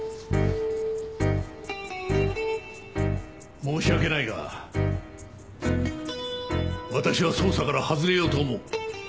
申し訳ないが私は捜査から外れようと思う。